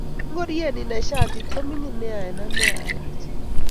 Ngoriet ni ne shatit ko mingin nea eng ane alach